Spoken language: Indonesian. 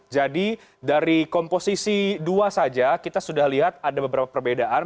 jadi dari komposisi dua saja kita sudah lihat ada beberapa perbedaan